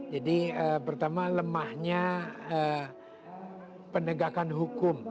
jadi pertama lemahnya penegakan hukum